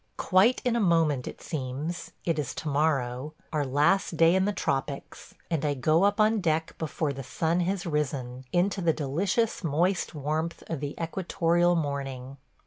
... Quite in a moment it seems, it is tomorrow – our last day in the tropics – and I go up on deck before the sun has risen, into the delicious moist warmth of the equatorial morning.